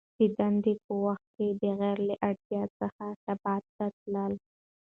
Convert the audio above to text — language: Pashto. د دندي په وخت کي بغیر له اړتیا څخه شعباتو ته تلل .